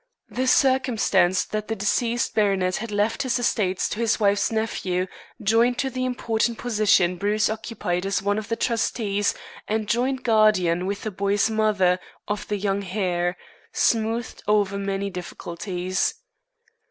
The circumstance that the deceased baronet had left his estates to his wife's nephew, joined to the important position Bruce occupied as one of the trustees and joint guardian, with the boy's mother, of the young heir, smoothed over many difficulties.